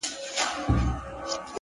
د سترګو کي ستا د مخ سُرخي ده ـ